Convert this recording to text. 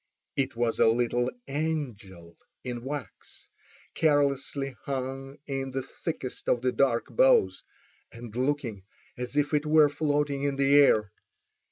It was a little angel in wax carelessly hung in the thickest of the dark boughs, and looking as if it were floating in the air.